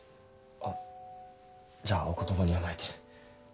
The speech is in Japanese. あじゃあお言葉に甘えて。